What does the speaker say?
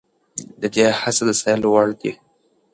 د ده هڅې د ستایلو وړ دي.